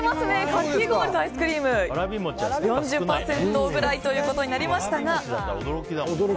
かき氷とアイスクリーム４０％ぐらいということになりましたが。